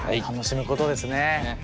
楽しむことですね。